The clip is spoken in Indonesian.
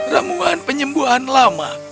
ramuan penyembuhan lama